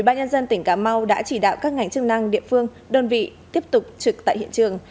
ubnd tỉnh cà mau đã chỉ đạo các ngành chức năng địa phương đơn vị tiếp tục trực tại hiện trường